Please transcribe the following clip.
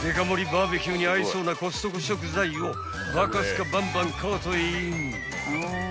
バーベキューに合いそうなコストコ食材をバカスカバンバンカートへイン］